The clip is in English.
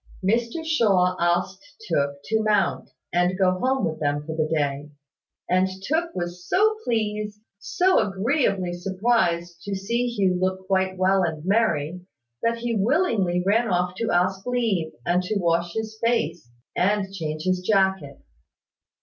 Mr Shaw asked Tooke to mount, and go home with them for the day; and Tooke was so pleased, so agreeably surprised to see Hugh look quite well and merry, that he willingly ran off to ask leave, and to wash his face, and change his jacket.